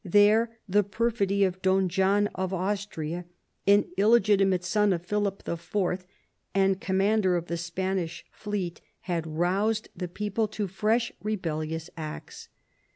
There the perfidy of Don John of Austria, an illegitimate son of Philip IV. and commander of the Spanish fleet, had roused the. people to fresh rebellious acts.